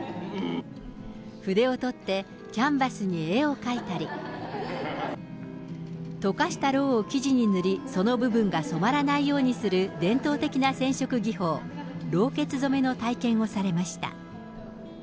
筆をとって、キャンバスに絵を描いたり、溶かしたろうを生地に塗り、その部分が染まらないようにする、伝統的な染色技法、ろうけつ染めの体験をされました。